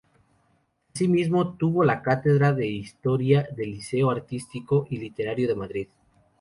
Asimismo tuvo la cátedra de Historia del Liceo Artístico y Literario de Madrid.